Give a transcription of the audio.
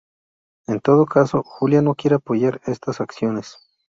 En todo caso, Julia no quiere apoyar estas acciones.